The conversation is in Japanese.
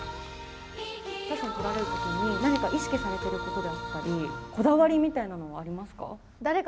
写真を撮られるときに、何か意識されてることだったり、こだわりみたいなのはありますか？